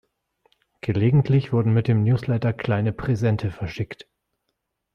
Gelegentlich wurden mit dem Newsletter kleine Präsente verschickt.